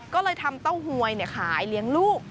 ก็เลยทำเต้าหวยขายเลี้ยงลูก